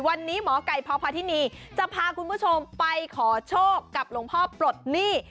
วันนี้หมอไก่พพาธินีจะพาคุณผู้ชมไปขอโชคกับหลวงพ่อปลดหนี้